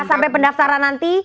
sampai pendaftaran nanti